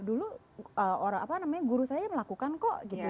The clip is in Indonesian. dulu orang apa namanya guru saya melakukan kok gitu